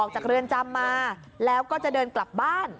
จากเรือนจำมาแล้วก็จะเดินกลับบ้าน